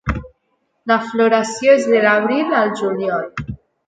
La floració és de l'Abril al Juliol.